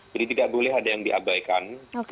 jadi tidak boleh ada yang diabaikan